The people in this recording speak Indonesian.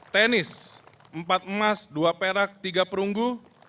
tenis empat emas dua perak tiga perunggu